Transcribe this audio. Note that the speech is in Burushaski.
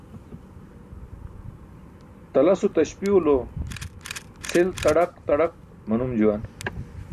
Talaso taśpi̇w lo cʰil tadaq tadaq maum juwan.